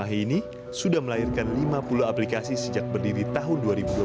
ah ini sudah melahirkan lima puluh aplikasi sejak berdiri tahun dua ribu dua puluh